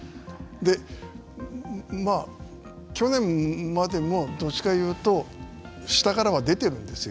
で、まあ、去年までもどっちかというと下からは出てるんですよ。